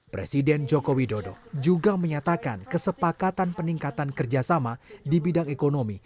presiden joko widodo juga menyatakan kesepakatan peningkatan kerjasama di bidang ekonomi